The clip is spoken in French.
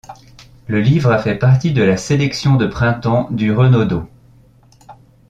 Le livre a fait partie de la Sélection de printemps du Renaudot.